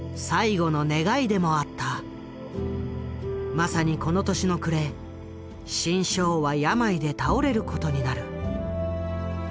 まさにこの年の暮れ志ん生は病で倒れることになる。